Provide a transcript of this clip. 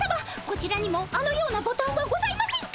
こちらにもあのようなボタンはございませんか？